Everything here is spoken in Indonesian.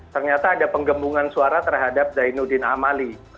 ternyata ada penggembungan suara terhadap zainuddin amali